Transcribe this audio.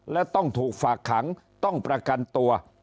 และต้องถูกฝากขังต้องประกันตัว